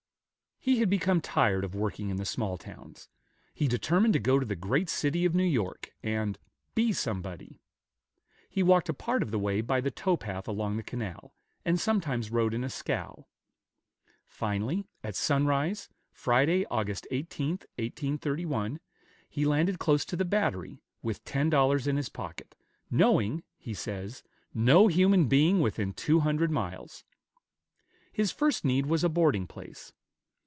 He had become tired of working in the small towns; he determined to go to the great city of New York, and "be somebody." He walked a part of the way by the tow path along the canal, and sometimes rode in a scow. Finally, at sunrise, Friday, Aug. 18, 1831, he landed close to the Battery, with ten dollars in his pocket, knowing, he says, "no human being within two hundred miles." His first need was a boarding place.